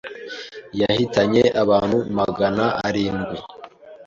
yahitanye abantu Magana arindwi